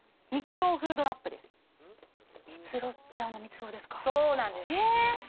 ミツロウってあのミツロウですかそうなんです